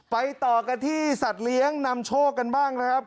ต่อกันที่สัตว์เลี้ยงนำโชคกันบ้างนะครับ